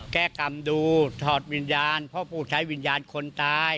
เราขอผลการปูใช้ความวิญญาณคนตาย